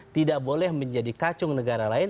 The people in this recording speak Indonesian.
tidak boleh menjadi kacung negara lain